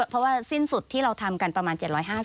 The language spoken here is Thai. เพราะว่าสิ้นสุดที่เราทำกันประมาณ๗๕๐